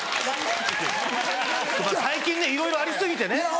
最近ねいろいろあり過ぎてね。